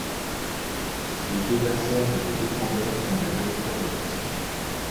Les déverseurs et les détendeurs sont des réducteurs de pression.